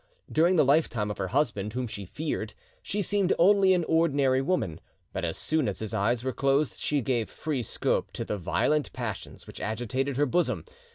During the lifetime of her husband, whom she feared, she seemed only an ordinary woman; but as soon as his eyes were closed, she gave free scope to the violent passions which agitated her bosom.